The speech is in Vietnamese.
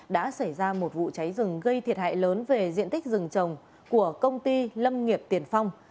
đã xảy ra một vụ cháy rừng gây thiệt hại lớn về diện tích rừng trồng của công ty lâm nghiệp tiền phong